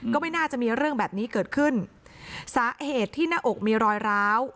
ก็ไม่น่าจะมีเรื่องแบบนี้เกิดขึ้นสาเหตุที่หน้าอกมีรอยร้าว